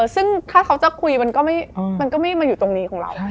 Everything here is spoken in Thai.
ซึ่งถ้าเขาจะคุยมันก็ไม่มาอยู่ตรงนี้ของเรา